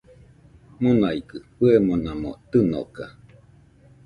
Monaigɨ fɨemonamo tɨnoka